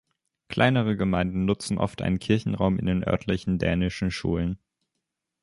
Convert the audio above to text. Kleinere Gemeinden nutzen oft einen Kirchenraum in den örtlichen dänischen Schulen.